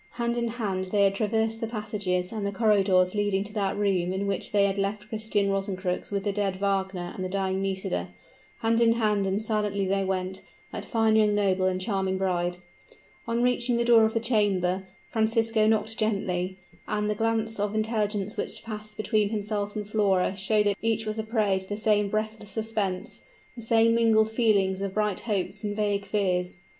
Hand in hand they had traversed the passages and the corridors leading to that room in which they had left Christian Rosencrux with the dead Wagner and the dying Nisida; hand in hand and silently they went that fine young noble and charming bride! On reaching the door of the chamber, Francisco knocked gently; and the glance of intelligence which passed between himself and Flora showed that each was a prey to the same breathless suspense; the same mingled feelings of bright hopes and vague fears.